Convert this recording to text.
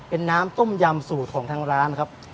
เป็นน้ำต้มยำสูตรของทางร้านครับ